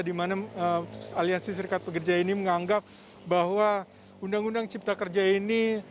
di mana aliansi sirkat pekerja ini menganggap bahwa undang undang cipta kerja ini